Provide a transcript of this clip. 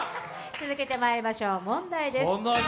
続けてまいりましょう、問題です。